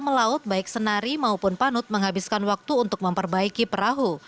melaut baik senari maupun panut menghabiskan waktu untuk memperbaiki perahu